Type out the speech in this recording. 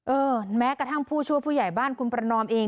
แม้กระทั่งผู้ช่วยผู้ใหญ่บ้านคุณประนอมเอง